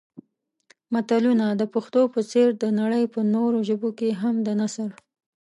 متلونه د پښتو په څېر د نړۍ په نورو ژبو کې هم د نثر